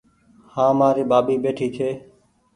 هآنٚ مآري ٻآٻي ٻيٺي ڇي